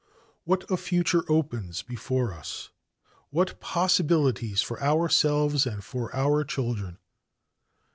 "What a future opens before us, what possibilities for ourselves and for our children!